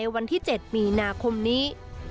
วันที่๗มีนาคมนี้